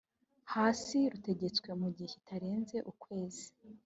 hasi rutegetswe mu gihe kitarenze ukwezi